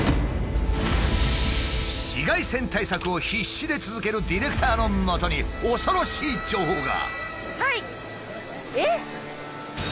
紫外線対策を必死で続けるディレクターのもとに恐ろしい情報が。